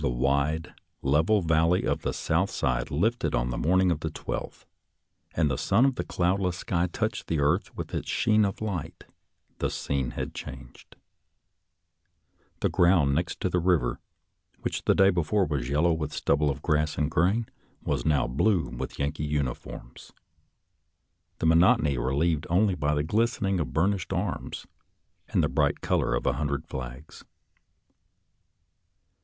JKMISON Cap tain, 'First Texas Regiment FACING 86 INCIDENTS AT FREDERICKSBURG 89 wide, level valley on the south side lifted on the morning of the 12th, and the sun of a cloudless sky touched the earth with its sheen of light, the scene had changed. The ground next to the river, which the day before was yellow with the stubble of grass and grain, was now blue with Yankee uniforms, the monotony relieved only by the glistening of burnished arms and the bright colors of a hundred flags.